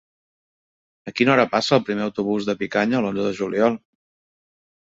A quina hora passa el primer autobús per Picanya l'onze de juliol?